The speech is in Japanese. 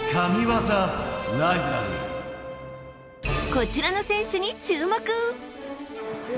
こちらの選手に注目。